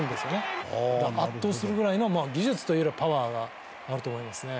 圧倒するぐらいのまあ技術というよりはパワーがあると思いますね。